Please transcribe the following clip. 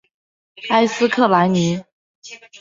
埃斯克拉尼。